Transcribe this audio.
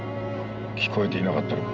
聞こえていなかったのか。